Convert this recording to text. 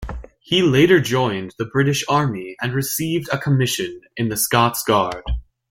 He later joined the British Army and received a commission in the Scots Guard.